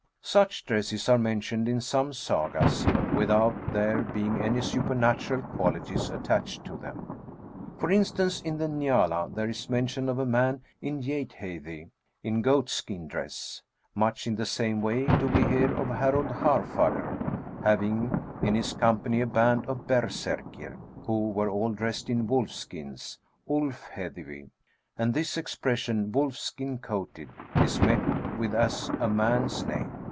Such dresses are mentioned in some Sagas, without there being any supernatural qualities attached to them. For instance, in the Njola there is mention of a man i geithe^i, in goatskin dress. Much in the same way do we hear of Harold Harfagr having in his company a band of berserkir, who were all dressed in wolf skins, ulfhe^ivy and this expression, wolf skin coated, is met with as a man's name.